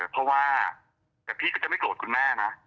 เพราะว่าแต่พี่ก็จะไม่โกรธคุณแม่นะ